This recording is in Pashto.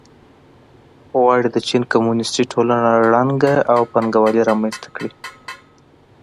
غواړي د چین کمونېستي ټولنه ړنګه او پانګوالي رامنځته کړي.